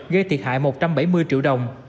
gây thiệt hại một trăm bảy mươi triệu đồng